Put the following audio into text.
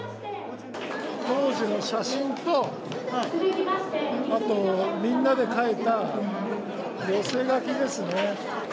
当時の写真と、あと、みんなで書いた寄せ書きですね。